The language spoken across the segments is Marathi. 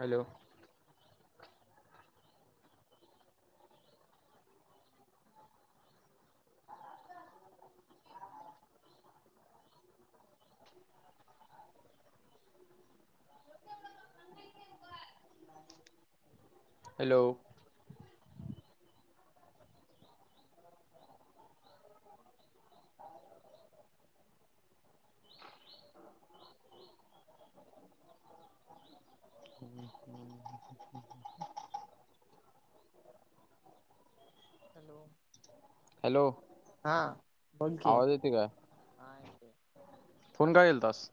हॅलो. [inaudible] हॅलो. हम्म हम्म. हॅलो. हॅलो हा बोल की. आवाज येते काय फोन का केलतास.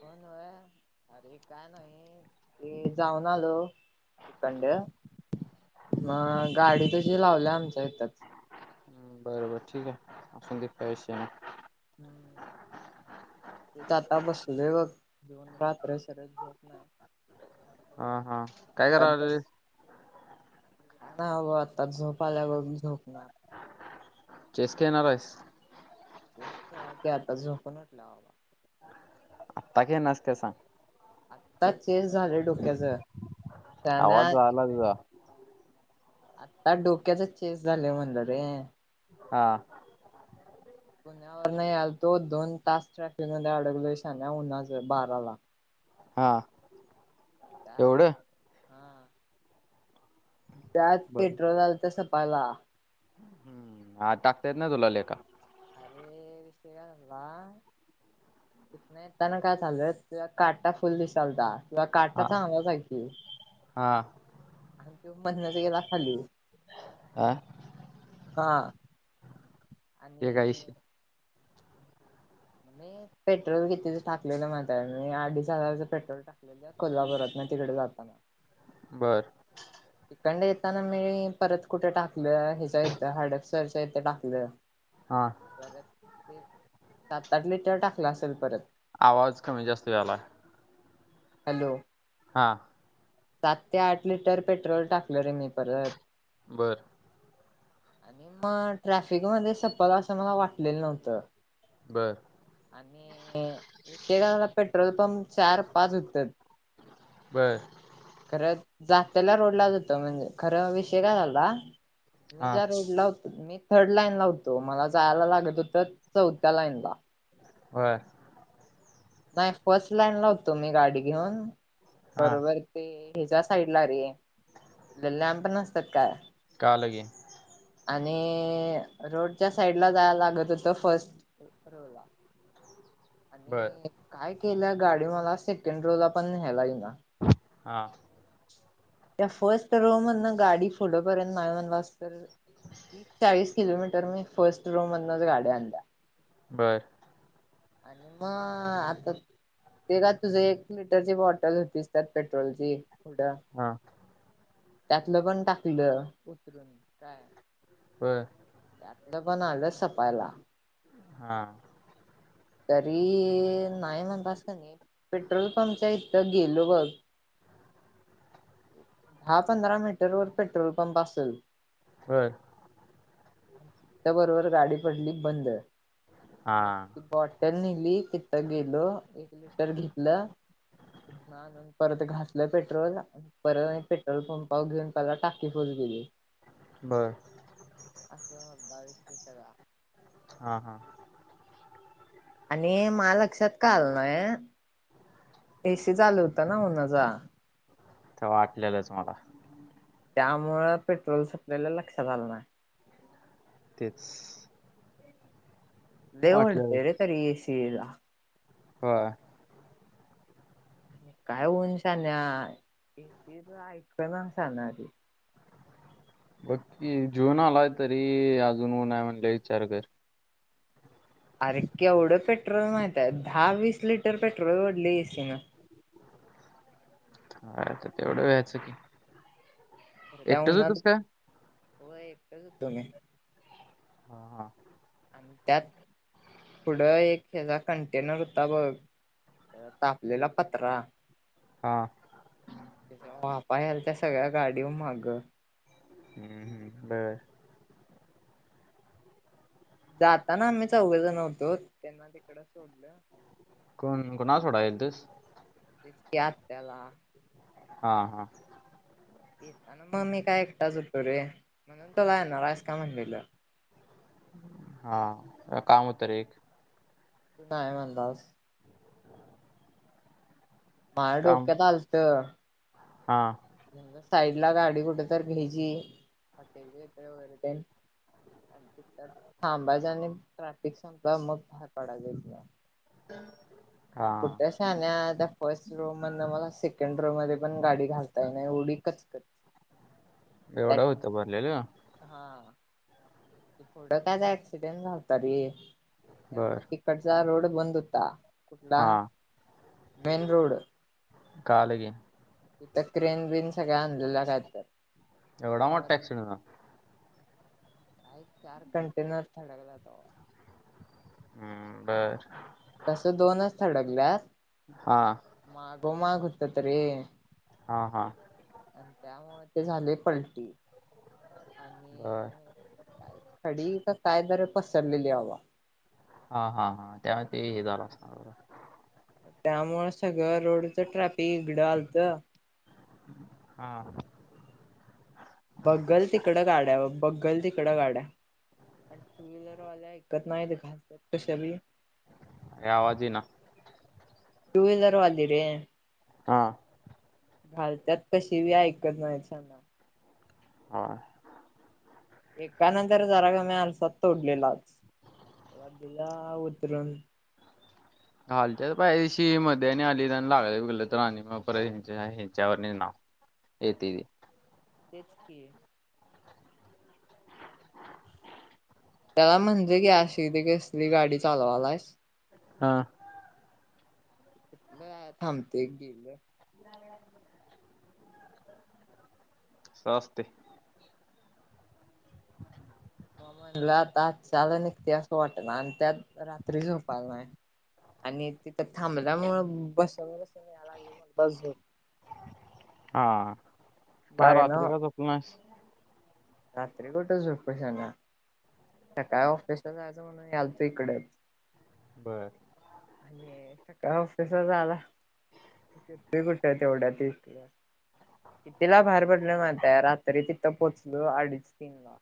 फोन व्हय अरे काय नाही ते जाऊन आलो तंडे मग गाडी तशी लावल्या आमच्या इथच. बरबर ठीक आहे मग काय विषय नाही. हम्म. हिथं आता बसूलोय बघ घेऊन रात्र सरच झोप नाही. हा हा काय करालाईस. का ना हवं आता झोपा आल्यावरी झोपणार. चेस खेळणार आहेस. चेस खेळायचा आता झोपून उठल्यावर बाबा. आता खेळणार आहेस की नाही सांग. आता चेज झालं डोक्याच. त्यांना आवाज ती आला पण तुझा आता डोक्यातच चेस झाले म्हणलं रे. हा. पुण्यावरन यायलतो तो दोन तास ट्रॅफिक म अडकलो शान्या उन्हाच बाराला. हा त्यात एवढं. हा त्यात बरं पेट्रोल आल त सपायाला. हम्म हा टाकतायेत ना तुला लेका. अरे विषय काय झालता. नाहीताना काय झाच तेजा काटा फुल दिसालता. तुला काटा हा चांगला आहे की हा आणि त्यो मधनच गेला खाली. आ. हा. ते काय विषय आणि मी पेट्रोल कितीच टाकलेलं माझ मी अडीच हजारच पेट्रोल टाकलेलं कोल्हापुरात. तिकडे जाताना. बर. इकंड येताना मी परत कुठे टाकलं ह्याच्या इथं हाडपपसरच्या इथं टाकलं. हा परत ते सात आठ लिटर टाकला असेल परत आवाज कमी जास्त यायला. हॅलो! हा! सात ते आठ लिटर पेट्रोल टाकल रे मी परत. बर आणि मग ट्रॅफिक मध्ये सफल असं मला वाटलेलं नव्हतं. बर आणि पेट्रोल पं पाच उत्तर बर खरंच जात्याला रोडलाच होत म्हणजे खरं विषय काय झाला मी हा ज्या रोडला होतो मी थर्ड लाईन ला होतो मला जायला लागत होत चौथ्या लाईन ला हो नाही फर्स्ट लाईन लावतो मी गाडी घेऊन हा बरोबर. ते ह्याच्या साईड ला रे लॅम्प नसतात काय? कालगे आणि रोडच्या साईड ला जायला लागत होत फर्स्ट रो ला बर आणि काय केल्या गाडी मला सेकंड रो ला पण न्यायला इना हा त्या फर्स्ट रो म्हण ना गाडी पुढपर्यंत नाही म्हणलास तरी चाळीस किलोमीटर मी फर्स्ट रो मधनच गाड्या आणल्या बरं आणि म ते का तुझ एक लिटरची बॉटल होतीस त्या पेट्रोलची डं हा त्यातलं पण टाकलं उतरून काय बर पण आलंच सपायला. हा तरी नाही म्हणत अस का नाही पेट्रोल पंपच्या इथथं गेलो बघ हा हा दहा पंधरा मीटर वर पेट्रोल पंप असेल. ह च्या बरोबर गाडी पडली बंद. हा मग ती बॉटल नेली तिथं गेलो एक लिटर घेतलं. आणून परत घासलं पेट्रोल परत पेट्रोल पंपावर घेऊन त्याला टाकी फुल केली. बर असं होत विषय सगळा हा, हा आणि म लक्षात का आल नाय एसी चालू होत ना म्ह - माझा. तर वाटलेलंच मला त्यामुळे पेट्रोल सप्लायला लक्षात आलं नाय? तेच लय ओडते रे तरी ए सीला ह काय होऊन साण्याे तर ऐक ना सणारी बग की जिऊन आलाय तरी अजून नाही म्हणले विचार कर अरे केवढं पेट्रोल माहित आहे दहा वीस लिटर पेट्रोल घढली एसी न हे हा हा तर तेवढं व्यायचं की एकटंच होतस का होय कस तोी ह हा आणि त्यात पुढं एक ह्याचा कंटेनर होता बघ तापलेला पत्र हा. त्याच्या वापा यालत्या सगळ्या गाडीवर मागे हं हं बर जाताना आम्ही चौघ जण होतो. त्यांना तिकड सोडलं कोण कोणा सोडायला गेलास? हिच की आत्याला हा हा येताना मग मी काय एकटाच होतो रे म्हणून तुला येणार आहेस का म्हणलेलं? हा काम होत रे एक तू काय नाही म्हणालास. माझ्या काम डोक्यात आलतं. हा. साईड ला गाडी कुठे तर घ्यायची हॉटेल वगैरे ते आणि त थांबायच आणि ट्रॅफिक संपल की मग बाहेर पडायच इतन अर हा कुठ शान्या आता फर्स्ट रु [inaudible] [unintelligible] म्हण मला ध्ये [unintelligible] प गाडी काही नाही उडी कचकच त्यात एवढं होतं भरलेलं हा थोडं काय ऍक्सिडेंट झालता रे त्यामुळ बर तिकडचा रोड बंद होता. कुठला? हा मेन रोड कळाल कि तिथ क्रेन बिन सगळ्या आणलेल्या काय तर एवढा त्यामुळं मोठा ऍक्सिडेंट होता काय चार कंटेनर थडकल्यात हं बर तस दोनच थडकल्यात हा मागो माग होत तरी. हा हा आणि त्यामुळे ते झाले पलटी, बर आणि खडी तर काय तरी पसरलेली वाटत हा हा हा त्यामुळे ते हे झालं असणार बर त्यामुळ सगळं रोडच ट्रॅफिक इकडं आलतं हा बघल तिकडं गाड्या बघल तिकडं गाड्या आणि टू व्हीलरवाल्या ऐकत नाही घालतात कश्या पण ये आवाज येईना टू व्हीलर वालीरे हा घालतत कशी बी ऐकत नाही सना हा एकानंतर जरा का मी आरसा तोडलेलाच दिला उतरून घालत्यात पाहिशी मधे आली लागलग तर मग परत हिच्यावर नि नाव येते ती तेच की त्याला म्हणजे घे कसली गाडी चालवायलाच? हा कुठल थांबतय गेलं अस असतय मग म्हणलं आता आजला निघते असं वाट ना आणि त्यात रात्री झोपायला नाही. आणि तिथं थांबल्यामुळ बसुन बसुन याय लागली मग झोप. हा का लागना. रात्री काय झोपला नाहीस? रात्री कुठं झोपु शान्या. सकाळी ऑफिसला जायचं म्हणून यालतो इकडंच बर आणि सकाळ ऑफीसला जायला कुठ तेवढ्या तिकडं कितीला बाहेर पडलं माहिताय रात्री तिथं पोहोचलो अडीच तीन ला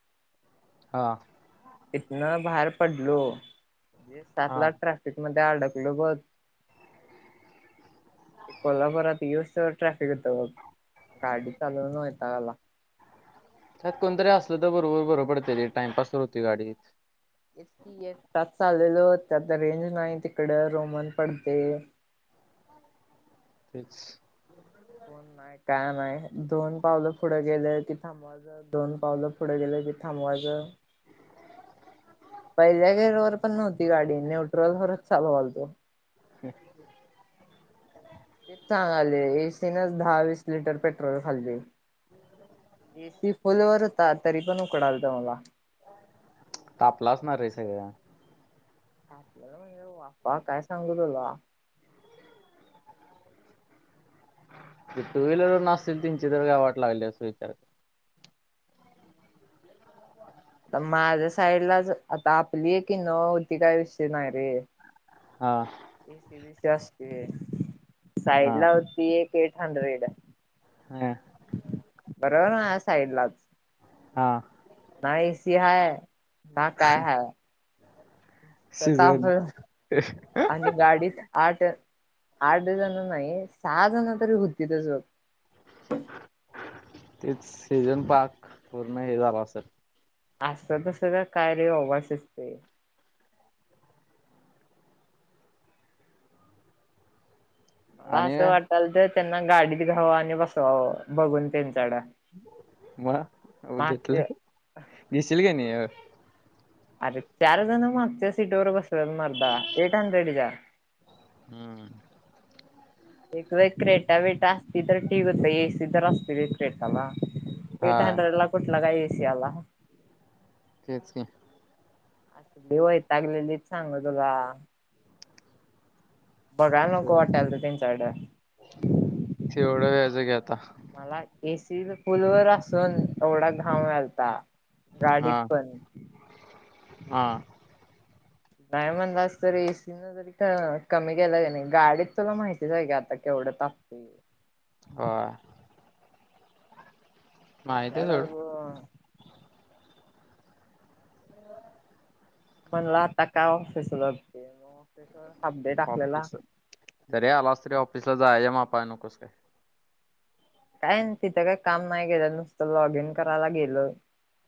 हा. इतन बाहेर पडलोे ते हा सातला ट्रॅफिक मध्ये त्या अडकलो बग [inaudible] ते कोल्हापुरात येवुस तंवर ट्रॅफिक होत बघ, गाडी चालवुन वैताग आला. त्यात कोणतरी असलं तर बरोबर बरं पडतंय रे टाइमपास तर होतोय गाडीत. तेच की एकटाच चाल लेलो त्यात रेंज नाही तिकडं रोमन पडतंय. तेच कोण नाही काय नाही, दोन पावलं पुढे गेले की थांबवायच, दोन पावलं पुढे गेले की थांबवायचं. [inaudible] पहिल्या गेरवर पण नव्हती गाडी न्यूट्रल वरच चालवालतो. हम् तेच सांगालोय ए सी नच दहा वीस लिटर पेट्रोल खाल्ली. ए सी फुलवर होता तरी पण उकडालत मला. तापलं असणार रे सगळं. तापलेलं म्हणजे वापा, काय सांगू तुला. ती टु व्हीलर वरनं असतील तींची तर काय वाट लागली असेल विचार कर. आता माझ्या साईडलाच, आता आपली एक इनोवा होती काय विषय नाही रे! हा ए सी बीसी असते, हा साईडला होती एक एट हंड्रेड हम् बरोबर माजा साईडलाच हा. ना ए सी हाय, ना काय हाय तर ताप सीझन आणि गाडीत आठ आठ जण नाही सहा जण तरी होतीतच बघ. तीच सीझन पाक पूर्ण हे झालं असंल. असं तसं का काय रे बाबा शिजतंय. मला आणि असं वाटालत त्यांना गाडीत घ्यावं आणि बसवावं बघून त्यांच म घेतलं, मागचे घेशील का नाही अ अरे चार जण मागच्या सीटवर बसलेत मरदा एट हंड्रेडच्या हम्म. एक वेळ क्रेटा वेटा असती तर टीक होत ए सी तर असते रे क्रेटाला. हा एट हंड्रेडला कुठला काय ए सी आला. तेच की असली वैतागलेलीत सांगु तुला. बघायला नको वाटालत त्यांच्याकडं तेवढं व्याच की आता. ए सी फुलवर असून एवढा घाम यालता गाडीत हा पण, हा. नाही म्हणलास तर एसी न जरी कमी केलं की नाही गाडीत तुला माहितीच आहे की आता केव ढ तापतय ह ते आहे सोड झाडं ग. म्हणला आता का ऑफिसला जाते ऑफिस ऑफिस घरी आलास तरी ऑफिसला जायला मापा नकोस येऊस काय? काय नाय तिथं काही काम नाही केेलं नुसतं लॉग इन करायला गेलं.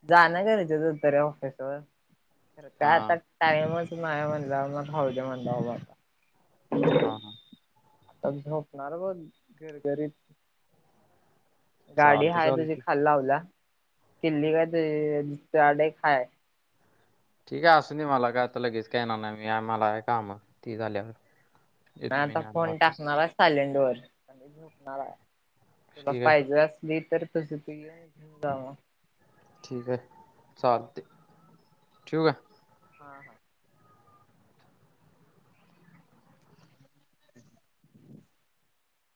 जाण गरजेचं होत रे ऑफिसवर. खर हा काय आता टाइमच नाही म्हटल्यावर राहूदे म्हणला [unintelligible] हा. आता झोपणार बघ गरगरीत. गाडी चालते हाय तिथं चालते खाल् लावला चिल्ली काहीतरी चारे खाय ठीक आहे असूदे मला काय आता लगेच काहीना नाही आम्हाला आहे काम ती झाल्यावर अन येतो मी आता न्यायला फोन वाटल्यास टाकून आला आहे सायलेंट वर झुकणार आहे तुला ठीक आहे पाहिजे असली तर तुझ तू येऊन घेऊन जाव ठीक आहे चालते ठेऊ का हा हा